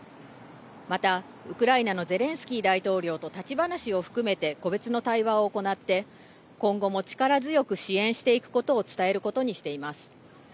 またウクライナのゼレンスキー大統領と立ち話を含めて個別の対話を行って今後も力強く支援していくことを伝えることにしています。